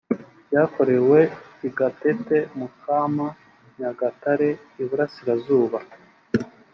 byakorewe i gatete, mukama, nyagatare, iburasirazuba